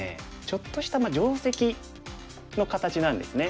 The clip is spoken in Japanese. ちょっとした定石の形なんですね。